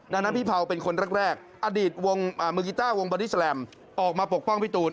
ดังนั้นพี่เผาเป็นคนแรกอดีตมือกีต้าวงบอดี้แลมออกมาปกป้องพี่ตูน